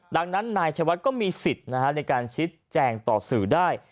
ดังนั้นนายชวัดก็มีสิทธิ์ในการชี้แจงต่อสื่อได้